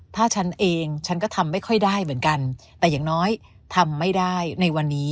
ถ้าฉันเองฉันก็ทำไม่ค่อยได้เหมือนกันแต่อย่างน้อยทำไม่ได้ในวันนี้